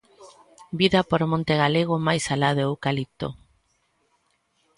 'Vida para o monte galego máis alá do eucalipto'.